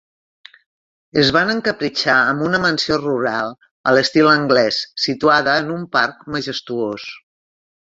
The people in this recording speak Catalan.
Es van encapritxar amb una mansió rural a l'estil anglès situada en un parc majestuós.